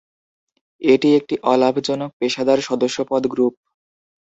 এটি একটি অলাভজনক পেশাদার সদস্যপদ গ্রুপ।